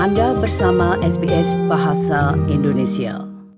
anda bersama sps bahasa indonesia